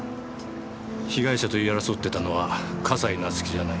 被害者と言い争ってたのは笠井夏生じゃない。